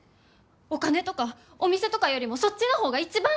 お金とかお店とかよりもそっちの方が一番！